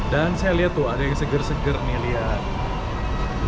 dan saya lihat tuh ada yang seger seger nih lihat